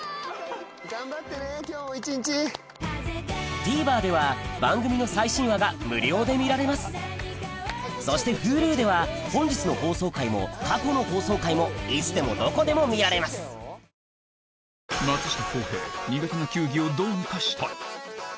ＴＶｅｒでは番組の最新話が無料で見られますそしてＨｕｌｕでは本日の放送回も過去の放送回もいつでもどこでも見られますまただ。